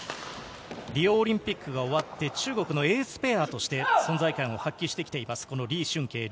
リオオリンピックが終わって、中国のエースペアとして存在感を発揮してきています。